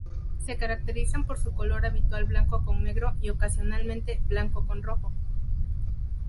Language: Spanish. Se caracterizan por su color habitual blanco con negro y, ocasionalmente, blanco con rojo.